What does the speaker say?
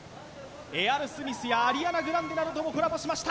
エアロスミスやアリアナ・グランデなどともコラボしました